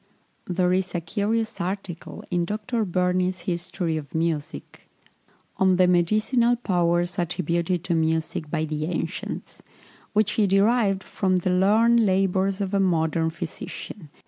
There is a curious article in Dr. Burney's History of Music, "On the Medicinal Powers attributed to Music by the Ancients," which he derived from the learned labours of a modern physician, M.